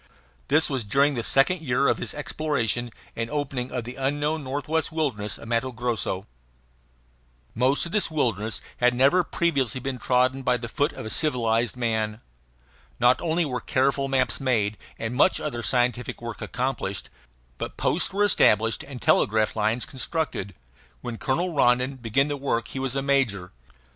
This was during the second year of his exploration and opening of the unknown northwestern wilderness of Matto Grosso. Most of this wilderness had never previously been trodden by the foot of a civilized man. Not only were careful maps made and much other scientific work accomplished, but posts were established and telegraph lines constructed. When Colonel Rondon began the work he was a major.